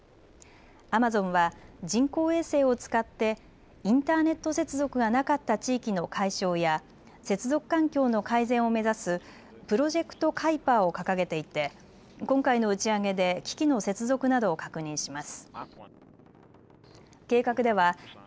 アマゾンは人工衛星を使ってインターネット接続がなかった地域の解消や接続環境の改善を目指すプロジェクト・カイパーを掲げていて今回の打ち上げで機器の接続などを確認します。